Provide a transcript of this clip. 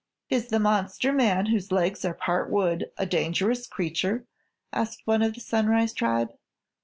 "Is the Monster Man whose legs are part wood a dangerous creature?" asked one of the Sunrise Tribe.